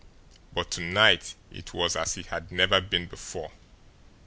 But to night it was as it had never been before.